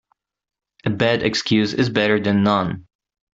A bad excuse is better then none.